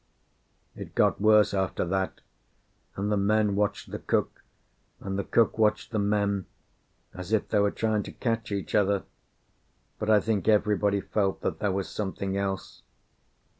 It got worse after that, and the men watched the cook, and the cook watched the men, as if they were trying to catch each other; but I think everybody felt that there was something else.